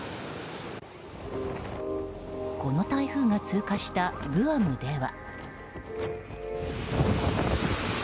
この台風が通過したグアムでは。